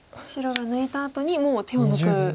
白が抜いたあとにもう手を抜く。